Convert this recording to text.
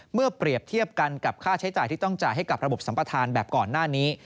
เปรียบเทียบกันกับค่าใช้จ่ายที่ต้องจ่ายให้กับระบบสัมปทานแบบก่อนหน้านี้